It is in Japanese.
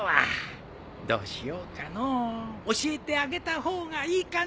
どうしようかのう教えてあげた方がいいかのう？